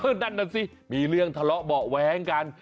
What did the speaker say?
เป็นนั้นนัดสิมีเรื่องถละเบาะแว้งกัน